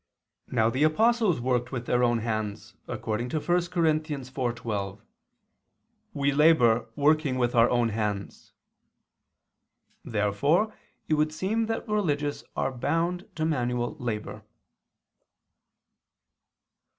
Now the apostles worked with their own hands, according to 1 Cor. 4:12: "We labor, working with our own hands." Therefore it would seem that religious are bound to manual labor.